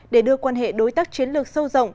để đưa quan hệ đối tác chiến lược sâu rộng